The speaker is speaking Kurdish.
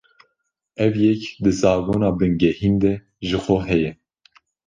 Ev yek, di zagona bingehîn de jixwe heye